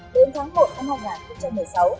đến tháng một năm hai nghìn một mươi sáu